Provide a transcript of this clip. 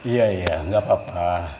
ya ya gak apa apa